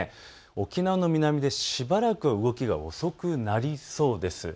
沖縄の南でしばらくは動きが遅くなりそうです。